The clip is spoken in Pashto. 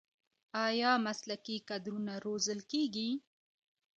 آیا مسلکي کادرونه روزل کیږي؟